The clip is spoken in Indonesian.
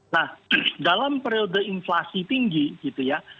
nah dalam periode inflasi tinggi gitu ya